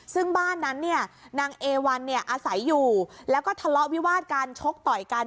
ซึ่งบ้านนั้นเนี่ยนางเอวันเนี่ยอาศัยอยู่แล้วก็ทะเลาะวิวาดกันชกต่อยกัน